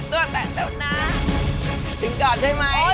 แต่ตัวน้ำ